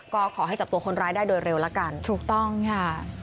ก็ขอให้จับตัวคนร้ายได้โดยเร็วละกันถูกต้องค่ะ